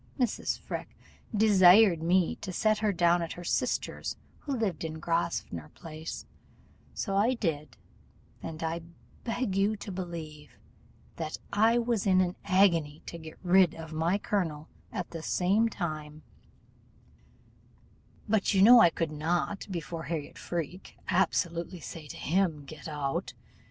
Mrs. Freke desired me to set her down at her sister's, who lived in Grosvenor place: I did so, and I beg you to believe that I was in an agony, to get rid of my colonel at the same time; but you know I could not, before Harriot Freke, absolutely say to him, 'Get out!